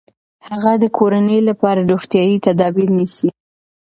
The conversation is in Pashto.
هغه د کورنۍ لپاره روغتیايي تدابیر نیسي.